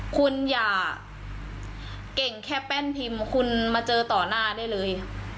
คุณอย่าเก่งแค่แป้นพิมพ์คุณมาเจอต่อหน้าได้เลย